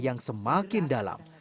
dan membuatnya semakin dalam